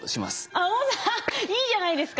あっ音声いいじゃないですか。